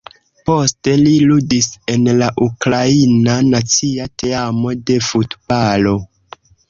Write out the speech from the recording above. Poste li ludis en la Ukraina nacia teamo de futbalo.